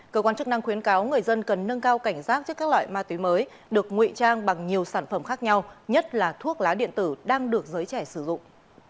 cơ quan chức năng khuyến cáo người dân cần nâng cao cảnh giác trước các loại ma túy mới được nguy trang bằng nhiều sản phẩm khác nhau nhất là thuốc lá điện tử đang được giới trẻ sử dụng